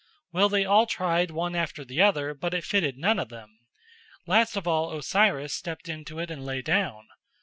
Well, they all tried one after the other, but it fitted none of them. Last of all Osiris stepped into it and lay down.